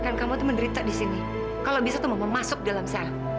maksudnya saya bebas pak